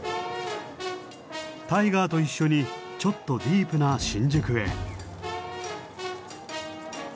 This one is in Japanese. タイガーと一緒にちょっとディープな新宿へ。